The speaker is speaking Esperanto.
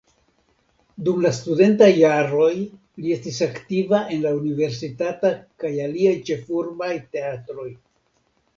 Dum la studentaj jaroj li estis aktiva en la universitata kaj aliaj ĉefurbaj teatroj.